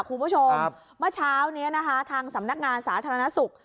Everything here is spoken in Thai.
คุณผู้ชมเมื่อเช้านี้นะคะทางสำนักงานสาธารณสุข